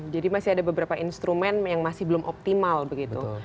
jadi masih ada beberapa instrumen yang masih belum optimal begitu